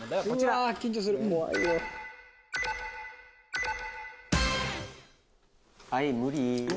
はい無理。